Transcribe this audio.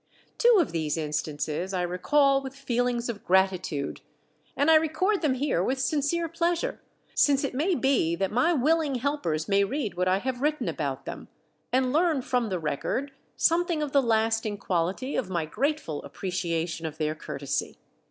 Two of these instances I recall with feelings of gratitude, and I record them here with sincere pleasure, since it may be that my willing helpers may read what I have written about them, and learn from the record something of the lasting quality of my grateful appreciation of their courtesy.